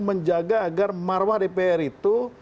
menjaga agar marwah dpr itu